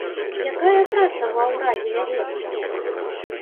Якая праца ва ўрадзе вядзецца?